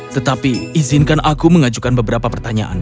tetapi izinkan aku mengajukan beberapa pertanyaan